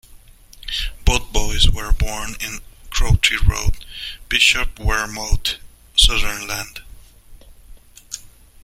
Both boys were born in Crowtree Road, Bishopwearmouth, Sunderland.